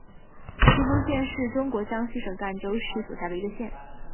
信丰县是中国江西省赣州市所辖的一个县。